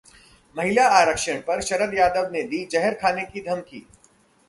महिला आरक्षण पर शरद यादव ने दी जहर खाने की धमकी